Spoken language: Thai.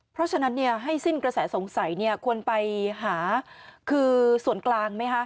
เพราะฉะนั้นให้สิ้นกระแสสงสัยควรไปหาคือส่วนกลางไหมคะ